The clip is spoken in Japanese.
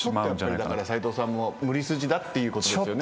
だから斎藤さんも無理筋だっていうことですよね？